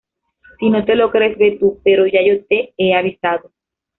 Si no te lo crees, ve tú pero yo ya te he avisado.